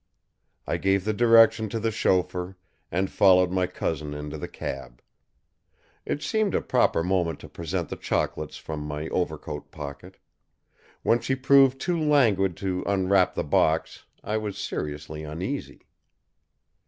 I gave the direction to the chauffeur and followed my cousin into the cab. It seemed a proper moment to present the chocolates from my overcoat pocket. When she proved too languid to unwrap the box, I was seriously uneasy.